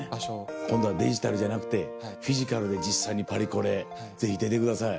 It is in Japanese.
今度はデジタルじゃなくてフィジカルで実際にパリコレぜひ出てください。